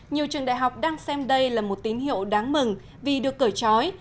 nhiều trường đại học đang xem đây là một tín hiệu đáng mừng vì được cởi trói